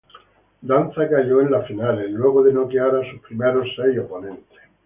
Danza cayó en las finales luego de noquear a sus primeros seis oponentes.